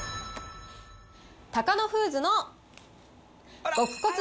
タカノフーズの極小粒